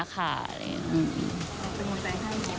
เป็นกำลังใจให้กัน